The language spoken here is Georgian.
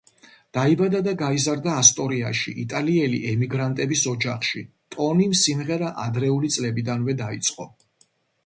დაიბადა და გაიზარდა ასტორიაში იტალიელი ემიგრანტების ოჯახში, ტონიმ სიმღერა ადრეული წლებიდანვე დაიწყო.